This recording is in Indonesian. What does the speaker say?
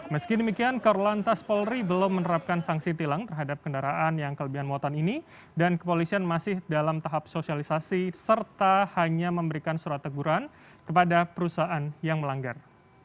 meski demikian korlantas polri belum menerapkan sanksi tilang terhadap kendaraan yang kelebihan muatan ini dan kepolisian masih dalam tahap sosialisasi serta hanya memberikan surat teguran kepada perusahaan yang melanggar